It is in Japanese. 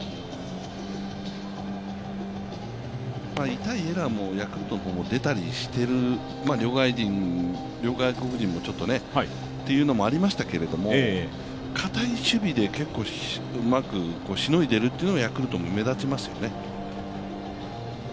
痛いエラーもヤクルトも出たりしてる、両外国人もというのもありましたけど、堅い守備でうまくしのいでいるというのもヤクルトも目立ちますよね。